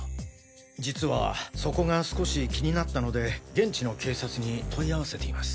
実はそこが少し気になったので現地の警察に問い合わせています。